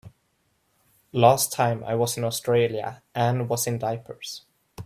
Last time I was in Australia Anne was in diapers.